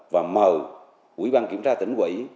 và mời quỹ ban kiểm tra tỉnh quỹ